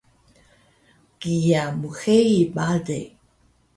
kiya mhei bale